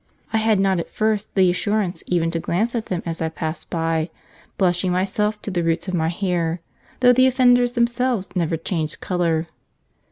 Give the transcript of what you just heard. I had not at first the assurance even to glance at them as I passed by, blushing myself to the roots of my hair, though the offenders themselves never changed colour.